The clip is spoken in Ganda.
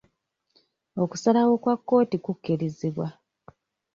Okusalawo kwa kkooti ku kirizibwa.